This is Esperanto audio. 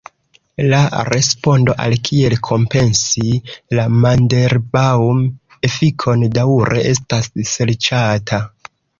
La respondo al kiel kompensi la "Mandelbaŭm-efikon" daŭre estas serĉata.